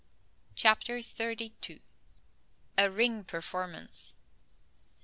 CHAPTER THIRTY TWO. A RING PERFORMANCE.